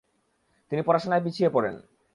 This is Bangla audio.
তিনি পড়াশোনায় পিছিয়ে পড়েন ।